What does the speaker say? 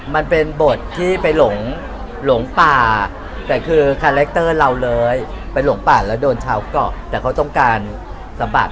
มันเป็นบทที่ไปหลงป่าแต่คือคาแรคเตอร์เราเลยไปหลงป่าแล้วโดนชาวเกาะแต่เขาต้องการสะบัด